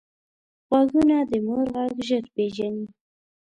غوږونه د مور غږ ژر پېژني